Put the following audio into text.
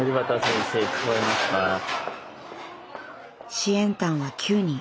支援担は９人。